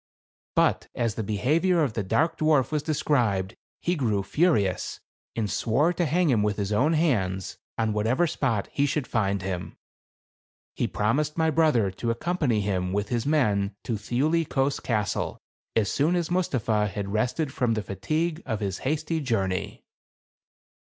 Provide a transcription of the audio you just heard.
But as the behavior of the dark dwarf was described, he grew furious, and swore to hang him with his own hands, on what ever spot he should find him. He promised my brother to accompany him with his men to Thiuli Kos Castle as soon as Mus tapha had rested from the fatigue of his hasty journey.